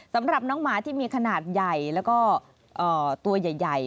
สำหรับน้องหมาที่มีขนาดใหญ่แล้วก็ตัวใหญ่